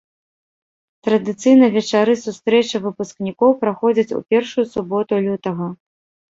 Традыцыйна вечары сустрэчы выпускнікоў праходзяць у першую суботу лютага.